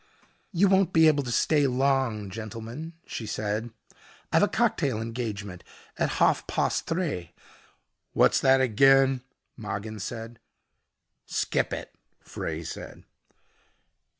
"You won't be able to stay long, gentlemen," she said. "I've a cocktail engagement at hof post threh " "What's that again?" Mogin said. "Skip it," Frey said.